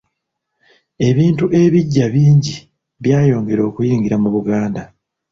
Ebintu ebiggya bingi byayongera okuyingira mu Buganda.